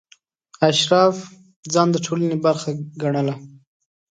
اشراف ځان د ټولنې برخه ګڼله.